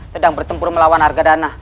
sedang bertempur melawan argadana